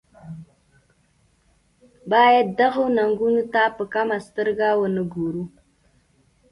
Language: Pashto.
باید دغو ننګونو ته په کمه سترګه ونه ګوري.